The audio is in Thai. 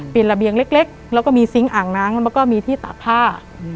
เป็นระเบียงเล็กแล้วก็มีซิงค์อ่างน้ำแล้วก็มีที่ตากผ้า